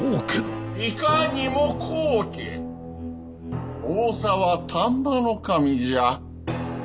いかにも高家大沢丹波守じゃ。